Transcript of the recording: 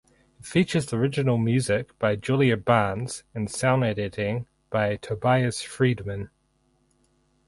It features original music by Julia Barnes and sound editing by Tobias Friedman.